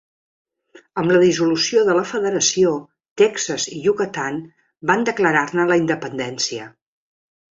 Amb la dissolució de la federació, Texas i Yucatán, van declarar-ne la independència.